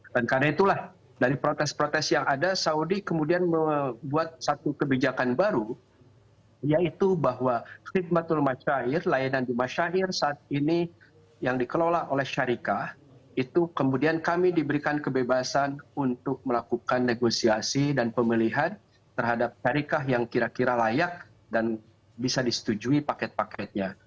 dan karena itulah dari protes protes yang ada saudi kemudian membuat satu kebijakan baru yaitu bahwa khidmatul masyair layanan di masyair saat ini yang dikelola oleh syarikat itu kemudian kami diberikan kebebasan untuk melakukan negosiasi dan pemilihan terhadap syarikat yang kira kira layak dan bisa disetujui paket paketnya